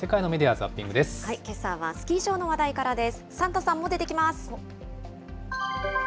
ザッピけさはスキー場の話題からです。